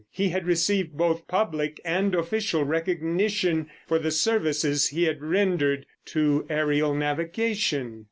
He had received both public and official recognition for the services he had rendered to aerial navigation.